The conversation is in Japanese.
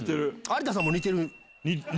有田さんも似てる。